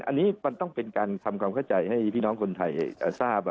อันนี้มันต้องเป็นการทำความเข้าใจให้พี่น้องคนไทยทราบ